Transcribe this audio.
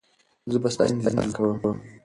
زه به ستا انتظار کوم.